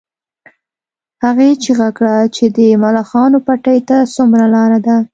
هغې چیغه کړه چې د ملخانو پټي ته څومره لار ده